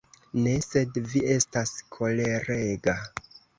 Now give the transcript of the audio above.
Ne, sed vi estas kolerega.